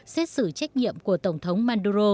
xét xử trách nhiệm của tổng thống maduro